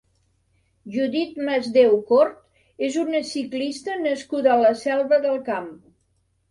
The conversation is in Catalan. Judit Masdeu Cort és una ciclista nascuda a la Selva del Camp.